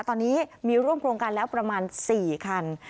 ตอนนี้มีร่วมโครงการแล้วประมาณ๔คัน